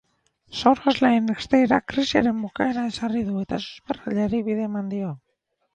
Sorosleen irteerak krisiaren bukaera ezarri du eta susperraldiari bide eman dio.